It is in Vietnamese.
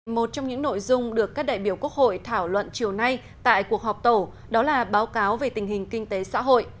một trong những nội dung được các đại biểu quốc hội thảo luận chiều nay tại cuộc họp tổ đó là báo cáo về tình hình kinh tế xã hội